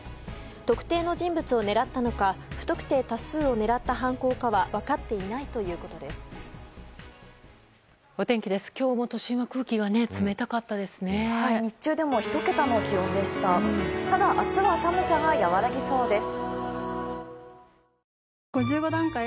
特定の人物を狙ったのか不特定多数を狙った犯行かは分かっていないということです。